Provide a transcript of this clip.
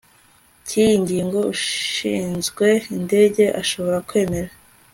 cy iyi ngingo ushinzwe indege ashobora kwemera